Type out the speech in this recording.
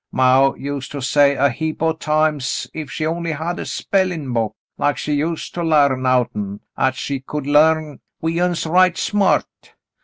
Maw used to say a heap o' times if she only had a spellin' book like she used to larn out'n, 'at she could larn we uns right smart.